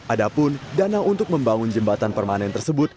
adapun dana untuk membangun jembatan permanen tersebut